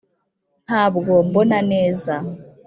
ntabwo mbona neza